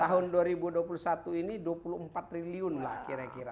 tahun dua ribu dua puluh satu ini dua puluh empat triliun lah kira kira